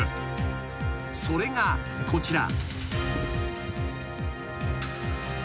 ［それがこちら］